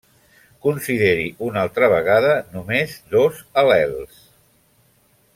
Consideri una altra vegada només dos al·lels.